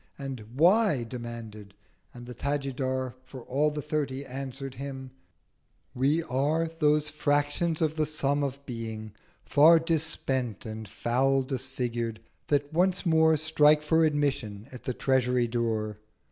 And 'Why?' demanded. And the Tajidar For all the Thirty answer'd him—'We are Those Fractions of the Sum of Being, far Dis spent and foul disfigured, that once more Strike for Admission at the Treasury Door.'